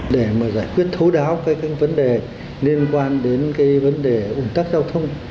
để mà giải quyết thấu đáo cái vấn đề liên quan đến cái vấn đề uống tắc giao thông